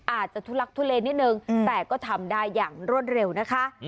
ทุลักทุเลนิดนึงแต่ก็ทำได้อย่างรวดเร็วนะคะ